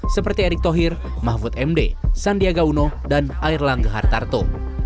seperti erick thohir mahfud md sandiaga uno dan airlang gehartarto